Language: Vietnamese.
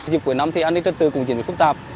dịp cuối năm thì an ninh trật tự cũng diễn biến phức tạp